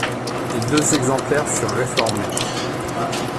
Les deux exemplaires furent réformés.